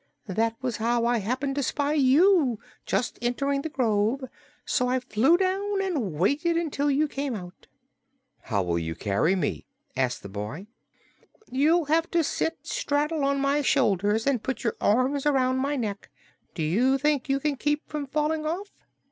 That was how I happened to spy you, just entering the grove; so I flew down and waited until you came out." "How can you carry me?" asked the boy. "You'll have to sit straddle my shoulders and put your arms around my neck. Do you think you can keep from falling off?"